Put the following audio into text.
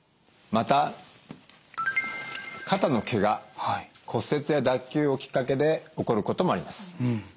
また肩のけが骨折や脱臼をきっかけで起こることもあります。